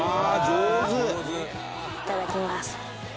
「上手」いただきます。